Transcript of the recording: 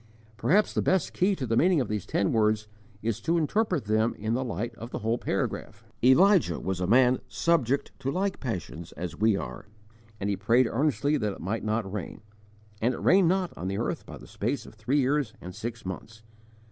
Perhaps the best key to the meaning of these ten words is to interpret them in the light of the whole paragraph: "Elijah was a man subject to like passions as we are, and he prayed earnestly that it might not rain; and it rained not on the earth by the space of three years and six months.